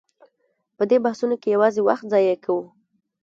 په دې بحثونو کې یوازې وخت ضایع کوو.